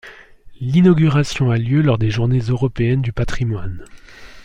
L'inauguration a lieu lors des Journées européennes du patrimoine.